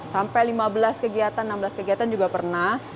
sampai lima belas kegiatan enam belas kegiatan juga pernah